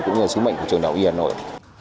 cũng như sứ mệnh của trường đạo y hà nội